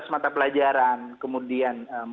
enam belas mata pelajaran kemudian